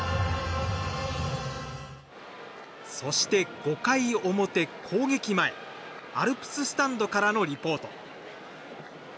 そして５回表、攻撃前アルプススタンドからのリポート。